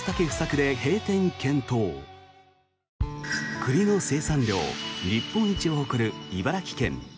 栗の生産量日本一を誇る茨城県。